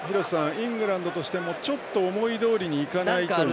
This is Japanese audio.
イングランドとしてもちょっと思いどおりにいかないという。